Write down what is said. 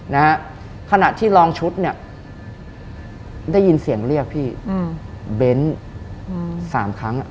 ในขณะที่รองชุดเนี่ยได้ยินเสียงเรียกข้อพี่เบ้นสามครั้งอะ